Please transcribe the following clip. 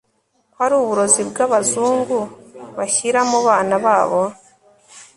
ko ari uburozi bw'abazungu bashyira mu bana babo